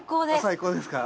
最高ですか。